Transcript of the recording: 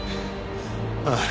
ああ。